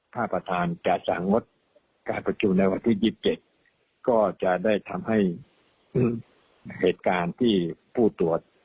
ถ้าประธานจะสั่งงดการประชุมในวันที่๒๗ก็จะได้ทำให้เหตุการณ์ที่ผู้ตรวจ